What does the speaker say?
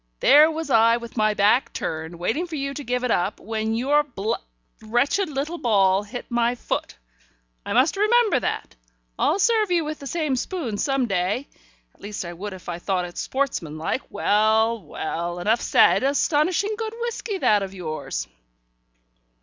"There was I with my back turned, waiting for you to give it up, when your bl wretched little ball hit my foot. I must remember that. I'll serve you with the same spoon some day, at least I would if I thought it sportsmanlike. Well, well, enough said. Astonishing good whisky, that of yours."